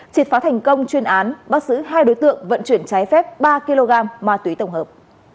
trịt phá thành công chuyên án bác sứ hai đối tượng vận chuyển trái phép ba kg ma túy tổng hợp